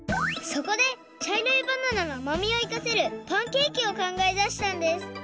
そこでちゃいろいバナナのあまみをいかせるパンケーキをかんがえだしたんです。